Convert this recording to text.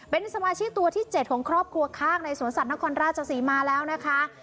เป็นสมาชิกตัวที่๗ของครอบครัวข้างในสวนสัตวนครราชศรีมาแล้วนะคะ